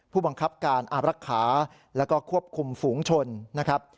ผู้บังคับการอาบรักษาแล้วก็ควบคุมฝูงชนนะครับ